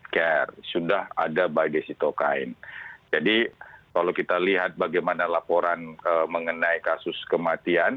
jadi kalau kita lihat bagaimana laporan mengenai kasus kematian